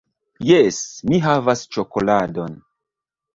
Jes, mi havas ĉokoladon